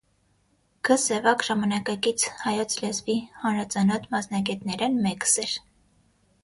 Գ.Սեւակ ժամանակակից հայոց լէզուի հանրածանօթ մասնագէտներէն մէկս էր։